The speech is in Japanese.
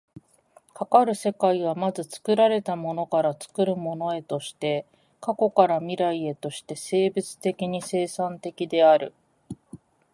かかる世界は、まず作られたものから作るものへとして、過去から未来へとして生物的に生産的である。